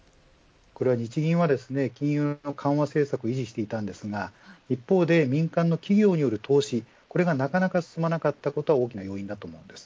日銀は金融の緩和政策を維持していましたが一方で、民間の企業による投資これがなかなか進まなかったことが大きな要因だと思います。